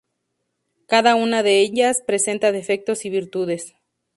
Cada una de ellas, presenta defectos y virtudes.